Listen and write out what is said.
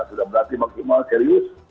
sudah berlatih maksimal serius